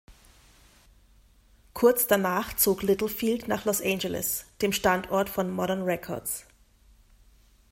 Kurz danach zog Littlefield nach Los Angeles, dem Standort von "Modern Records".